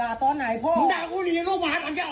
อ้าวอ้าว